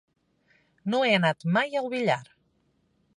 No he anat mai al Villar.